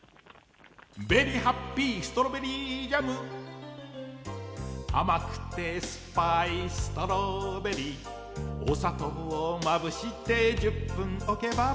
「ベリー・ハッピー・ストロベリージャム」「甘くてすっぱいストロベリー」「おさとうまぶして１０分おけば」